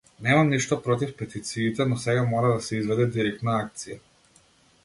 Немам ништо против петициите, но сега мора да се изведе директна акција.